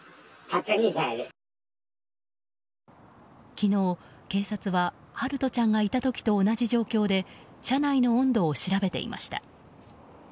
昨日、警察は陽翔ちゃんがいた時と同じ状況で車内の温度を調べていました。